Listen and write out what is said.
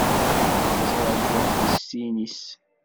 Ttṛaǧǧuɣ tisin-is.